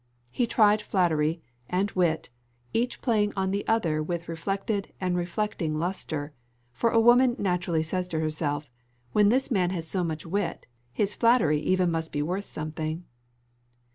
He tried flattery, and wit, each playing on the other with reflected and reflecting lustre, for a woman naturally says to herself, "When this man has so much wit, his flattery even must be worth something."